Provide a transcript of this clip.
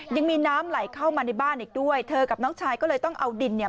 ยังมีน้ำไหลเข้ามาในบ้านอีกด้วยเธอกับน้องชายก็เลยต้องเอาดินเนี่ย